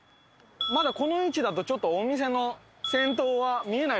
まだこの位置だとちょっとお店の先頭は見えないですね。